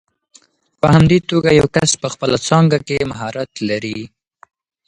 په همدې توګه یو کس په خپله څانګه کې مهارت لري.